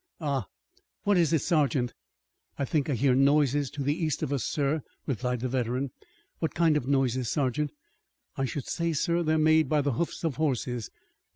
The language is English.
Ah, what is it, sergeant?" "I think I hear noises to the east of us, sir," replied the veteran. "What kind of noises, sergeant?" "I should say, sir, that they're made by the hoofs of horses.